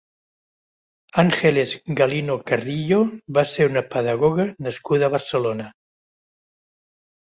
Ángeles Galino Carrillo va ser una pedagoga nascuda a Barcelona.